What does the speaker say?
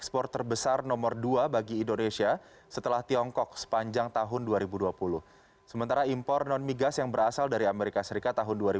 pertanyaan dari pertanyaan